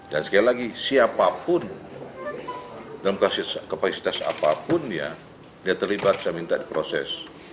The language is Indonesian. dan sekali lagi siapapun dalam kapasitas apapun ya dia terlibat saya minta di proses